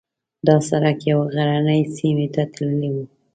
دا سړک یوې غرنۍ سیمې ته تللی و.